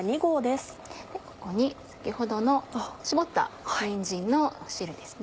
ここに先ほどの絞ったにんじんの汁ですね。